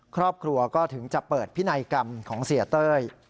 ครอบครัวก็ถึงจะเปิดพินัยกรรมของเสียเต้ย